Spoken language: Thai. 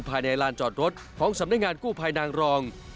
ภายในลานจอดรถของสำนักงานกู้ภัยนางรอง